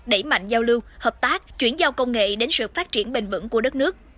đẩy mạnh giao lưu hợp tác chuyển giao công nghệ đến sự phát triển bình vẩn của đất nước